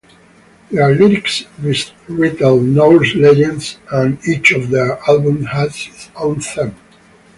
Their lyrics retell Norse legends, and each of their albums has its own theme.